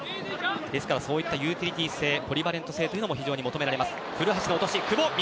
ですからユーティリティー性ポリバレント性も非常に求められます。